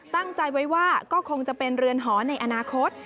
ตั้งใจไว้ว่าก็คงจะเป็นเรือนหอในอนาคต